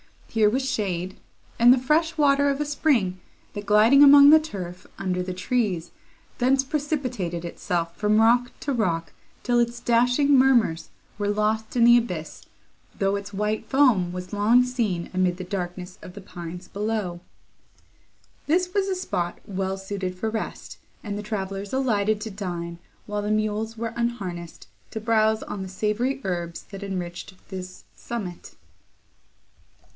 Here was shade, and the fresh water of a spring, that, gliding among the turf, under the trees, thence precipitated itself from rock to rock, till its dashing murmurs were lost in the abyss, though its white foam was long seen amid the darkness of the pines below. This was a spot well suited for rest, and the travellers alighted to dine, while the mules were unharnessed to browse on the savoury herbs that enriched this summit.